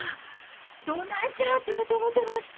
どないしはったかと思てました。